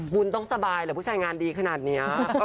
บุญต้องสบายเหรอผู้ชายงานดีขนาดนี้